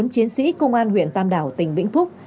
bốn chiến sĩ công an huyện tam đảo tỉnh vĩnh phúc